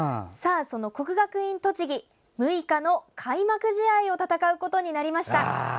国学院栃木、６日の開幕試合を戦うことになりました。